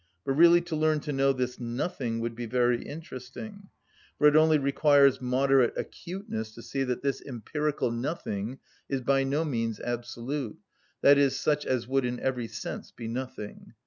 But really to learn to know this "nothing" would be very interesting; for it only requires moderate acuteness to see that this empirical nothing is by no means absolute, i.e., such as would in every sense be nothing.